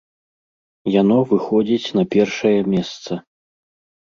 Яно выходзіць на першае месца.